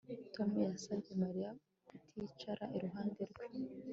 Tom yasabye Mariya kuticara iruhande rwe